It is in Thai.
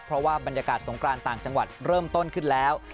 เพราะว่าบรรยากาศสงกรานต่างจังหวัดเริ่มต้นขึ้นแล้ว